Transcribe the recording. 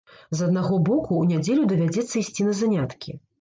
З аднаго боку, у нядзелю давядзецца ісці на заняткі.